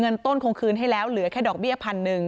ต้นคงคืนให้แล้วเหลือแค่ดอกเบี้ยพันหนึ่ง